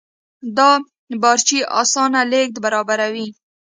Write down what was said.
دا بارچي اسانه لېږد برابروي.